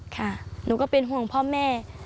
ค่ะหนูก็เป็นห่วงพ่อแม่